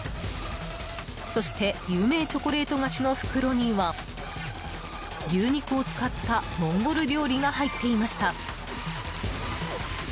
そして、有名チョコレート菓子の袋には牛肉を使ったモンゴル料理が入っていました。